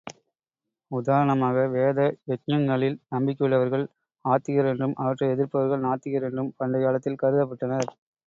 உதாரணமாக வேத யக்ஞங்களில் நம்பிக்கையுள்ளவர்கள் ஆத்திகர் என்றும், அவற்றை எதிர்ப்பவர்கள் நாத்திகர் என்றும் பண்டைக் காலத்தில் கருதப்பட்டனர்.